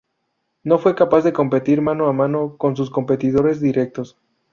No fue capaz de competir mano a mano con sus competidores directos.